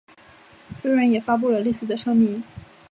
微软也发布了类似的声明。